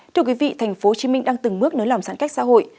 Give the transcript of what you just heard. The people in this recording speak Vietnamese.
thưa quý vị tp hcm đang từng mước nới lòng sản cách xã hội